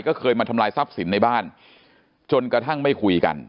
ก็เคยมาทำลายทรัพย์สินในบ้านจนกระทั่งไม่คุยกัน